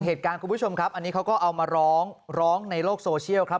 คุณผู้ชมครับอันนี้เขาก็เอามาร้องร้องในโลกโซเชียลครับ